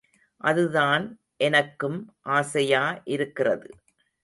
அதுதான் எனக்கும் ஆசையா இருக்கிறது.